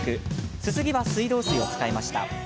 すすぎは水道水を使いました。